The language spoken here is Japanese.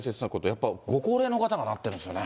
やっぱりご高齢の方がなってるんですよね。